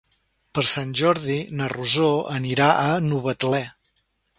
Per Sant Jordi na Rosó anirà a Novetlè.